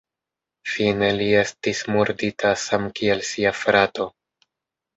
Fine li estis murdita samkiel sia frato.